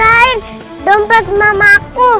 ayo selain dompet mamaku